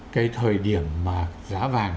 cái thời điểm mà giá vàng